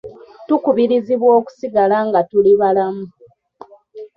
Tukubirizibwa okusigala nga tuli balamu.